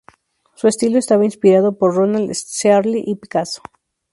Su estilo estaba inspirado por Ronald Searle y Picasso.